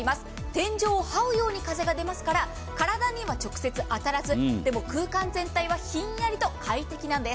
天井をはうように風が出ますから体には直接当たらず、でも、空間全体はひんやりと快適なんです。